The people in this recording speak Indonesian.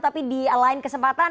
tapi di lain kesempatan